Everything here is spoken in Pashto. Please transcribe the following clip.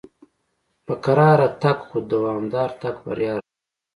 په کراره تګ خو دوامدار تګ بریا راوړي.